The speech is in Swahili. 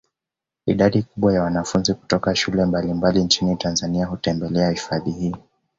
Idadi kubwa ya wanafunzi kutoka shule mbalimbali nchini Tanzania hutembelea hifadhi hii